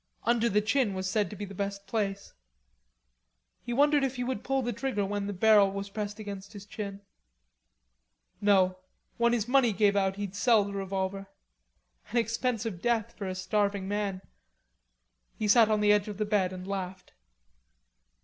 Under the chin was said to be the best place. He wondered if he would pull the trigger when the barrel was pressed against his chin. No, when his money gave out he'd sell the revolver. An expensive death for a starving man. He sat on the edge of the bed and laughed.